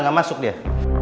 nggak masuk dia